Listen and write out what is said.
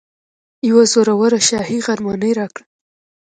یوه زوروره شاهي غرمنۍ راکړه.